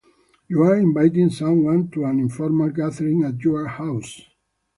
You're inviting someone to an informal gathering at your house.